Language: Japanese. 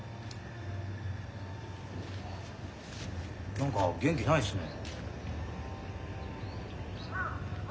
何か元気ないですね。